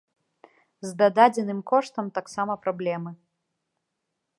З дададзеным коштам таксама праблемы.